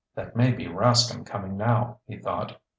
"That may be Rascomb coming now," he thought.